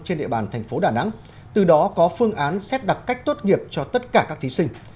trên địa bàn tp đà nẵng từ đó có phương án xét đặt cách tốt nghiệp cho tất cả các thí sinh